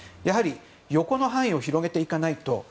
やはり横の範囲を広げていかないと。